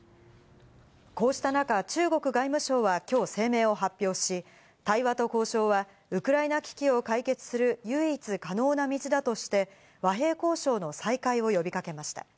こうした中、中国外務省は今日、声明を発表し、対話と交渉はウクライナ危機を解決する唯一可能な道だとして、和平交渉の再開を呼びかけました。